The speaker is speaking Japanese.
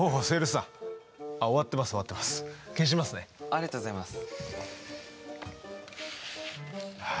ありがとうございます。